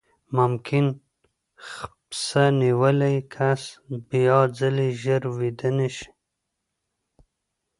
ممکن خپسه نیولی کس بیاځلې ژر ویده نه شي.